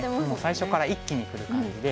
最初から一気にくる感じで。